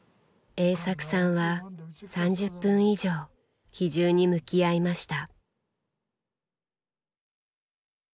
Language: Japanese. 栄作さんは３０分以上機銃に向き合いました。